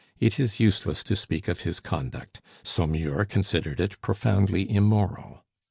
It is useless to speak of his conduct; Saumur considered it profoundly immoral.